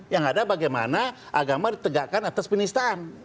yang ada bagaimana agama ditegakkan atas penistaan